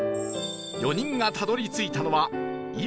４人がたどり着いたのは今、